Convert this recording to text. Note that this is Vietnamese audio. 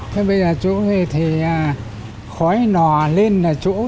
thế bây giờ chỗ này thì khói nò lên là chỗ